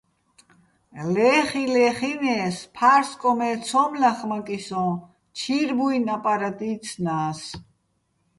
ლე́ხიჼ-ლეხინე́ს, ფა́რსკოჼ მე ცო́მ ლახმაკიჼ სოჼ, ჩირ ბუ́ჲნი̆ აპარატ იცნა́ს.